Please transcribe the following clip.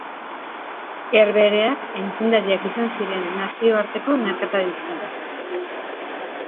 Herbehereak aitzindariak izan ziren nazioarteko merkataritzan.